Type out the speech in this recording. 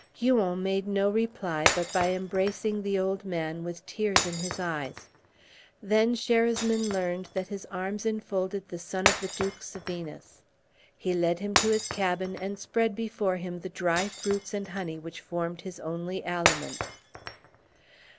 Huon made no reply but by embracing the old man, with tears in his eyes. Then Sherasmin learned that his arms enfolded the son of the Duke Sevinus. He led him to his cabin, and spread before him the dry fruits and honey which formed his only aliment.